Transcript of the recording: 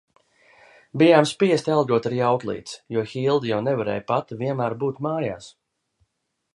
Bijām spiesti algot arī auklītes, jo Hilda jau nevarēja pati vienmēr būt mājās.